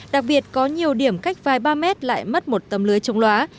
đặc biệt có nhiều điểm cách vài ba mét lại mất một tấm lưới trống lóa